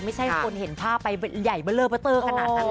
ไม่ใช่คนเห็นภาพไปใหญ่เบอร์เลอร์เบอร์เตอร์ขนาดนั้น